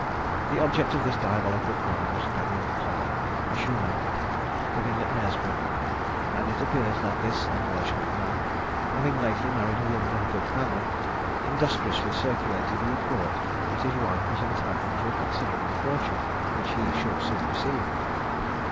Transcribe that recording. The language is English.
The object of this diabolical crime was Daniel Clarke, a shoemaker, living at Knaresborough; and it appears that this unfortunate man, having lately married a woman of a good family, industriously circulated a report that his wife was entitled to a considerable fortune, which he should soon receive.